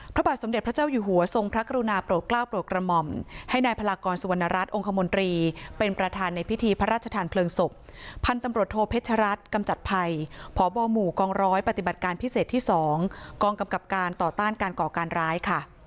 พระบาทสมเด็จพระเจ้าอยู่หัวทรงพระกรุณาโปรดกล้าวโปรดกระหม่อมให้นายพลากรสุวรรณรัฐองคมนตรีเป็นประธานในพิธีพระราชทานเพลิงศพพันธุ์ตำรวจโทเพชรัตนกำจัดภัยพบหมู่กองร้อยปฏิบัติการพิเศษที่๒กองกำกับการต่อต้านการก่อการร้ายค่ะ